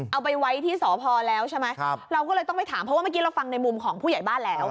เอาไปไว้ที่สพแล้วใช่ไหมเราก็เลยต้องไปถามเพราะว่าเมื่อกี้เราฟังในมุมของผู้ใหญ่บ้านแล้ว